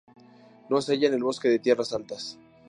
No se halla en el bosque de tierras altas.